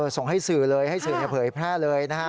ส่งให้สื่อเลยให้สื่อเผยแพร่เลยนะฮะ